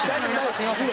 すいません。